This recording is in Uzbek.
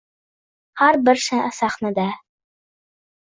har bir sahnada